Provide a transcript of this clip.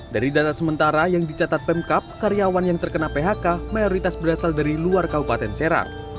dari data sementara yang dicatat pemkap karyawan yang terkena phk mayoritas berasal dari luar kabupaten serang